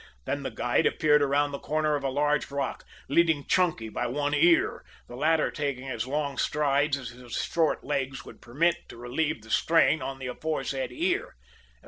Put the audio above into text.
Then the guide appeared around the corner of a large rock, leading Chunky by one ear, the latter taking as long strides as his short legs would permit, to relieve the strain on the aforesaid ear.